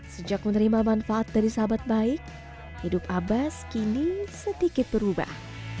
sejak menerima manfaat dari sahabat baik hidup abbas kini sedikit berubah